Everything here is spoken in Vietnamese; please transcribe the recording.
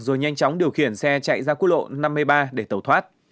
rồi nhanh chóng điều khiển xe chạy ra quốc lộ năm mươi ba để tẩu thoát